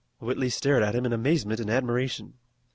Whitley stared at him in amazement and admiration.